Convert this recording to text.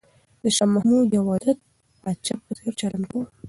شاه محمود د یو عادل پاچا په څېر چلند کاوه.